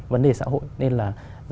vấn đề xã hội nên là